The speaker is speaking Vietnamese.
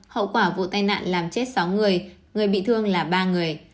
hậu quả vụ tai nạn làm chết sáu người người bị thương là ba người